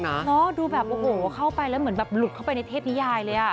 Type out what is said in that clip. เนอะดูแบบโอ้โหเข้าไปแล้วเหมือนแบบหลุดเข้าไปในเทพนิยายเลยอ่ะ